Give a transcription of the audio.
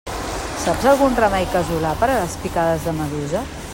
Saps algun remei casolà per a les picades de medusa?